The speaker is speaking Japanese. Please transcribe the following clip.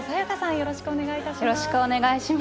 よろしくお願いします。